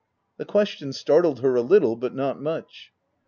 The question startled her a little, but not much.